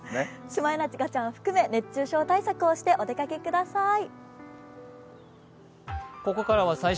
シマエナガちゃん含め熱中症対策をしてお出かけください。